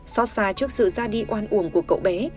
xót xa trước sự ra đi oan uổng của cậu bé